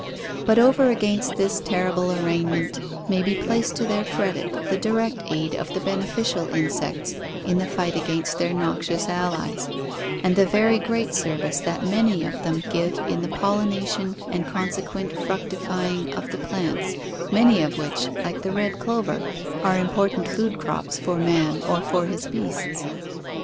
But over against this terrible arraignment may be placed to their credit the direct aid of the beneficial insects in the fight against their noxious allies, and the very great service that many of them give in the pollenation and consequent fructi fying of the plants, many of which, like the red clover, are impor tant food crops for man or for his beasts.